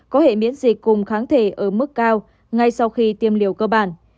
có hệ miễn dịch cùng kháng thể ở mức cao ngay sau khi tiêm liều cơ bản